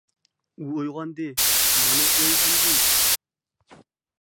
ئۇ ئويغاندى، مانا، ئويغاندى!